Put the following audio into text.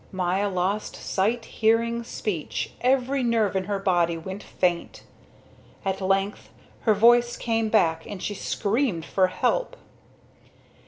Maya lost sight, hearing, speech; every nerve in her body went faint. At length her voice came back, and she screamed for help.